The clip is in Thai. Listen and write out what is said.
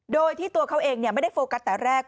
โดยที่ตัวเขาเองไม่ได้โฟกัสแต่แรก